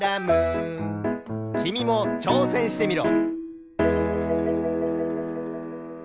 きみもちょうせんしてみろ。